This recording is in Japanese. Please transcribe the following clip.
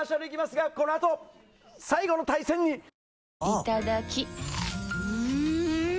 いただきっ！